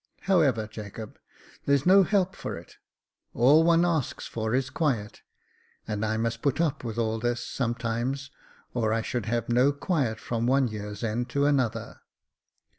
However, Jacob, there's no help for it. All one asks for is quiet ; and I must put up with all this sometimes, or I should have no quiet from one year's end to another.